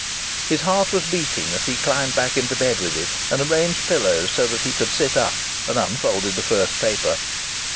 His heart was beating as he climbed back into bed with it and arranged pillows so that he could sit up, and unfolded the first paper.